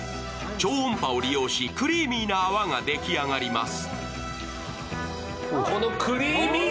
超音波を利用して、クリーミーな泡が出来上がります。